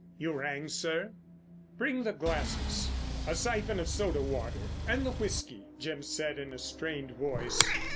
"You rang, sir?" "Bring the glasses, a syphon of soda water, and the whisky," Jim said in a strained voice.